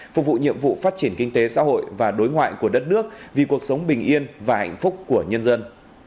phục vụ nhiệm vụ phát triển kinh tế xã hội và đối ngoại của đất nước vì cuộc sống bình yên và hạnh phúc của nhân dân